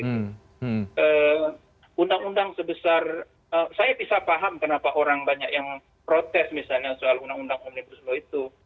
karena undang undang sebesar saya bisa paham kenapa orang banyak yang protes misalnya soal undang undang omnibus law itu